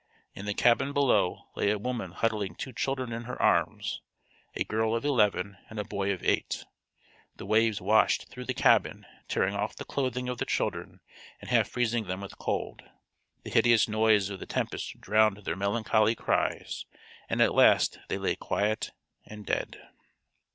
In the cabin below lay a woman huddling two children in her arms, a girl of eleven and a boy of eight. The waves washed through the cabin tearing off the clothing of the children and half freezing them with cold. The hideous noise of the tempest drowned their melancholy cries and at last they lay quiet and dead.